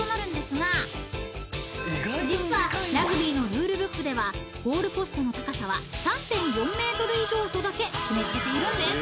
［実はラグビーのルールブックでは「ゴールポストの高さは３．４ｍ以上」とだけ決められているんです］